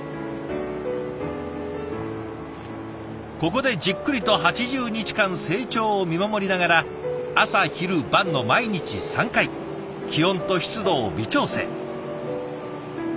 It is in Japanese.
ここでじっくりと８０日間成長を見守りながら朝昼晩の毎日３回気温と湿度を微調整。